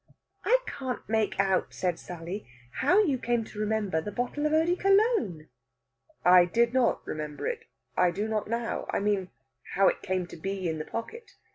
"I can't make out," said Sally, "how you came to remember the bottle of eau de Cologne." "I did not remember it. I do not now. I mean, how it came to be in the pocket.